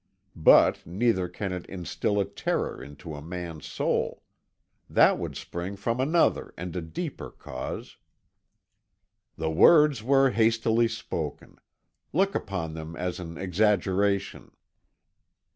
But neither can it instil a terror into a man's soul. That would spring from another and a deeper cause." "The words were hastily spoken. Look upon them as an exaggeration."